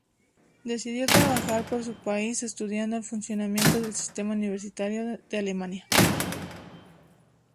Decidió trabajar por su país estudiando el funcionamiento del sistema universitario de Alemania.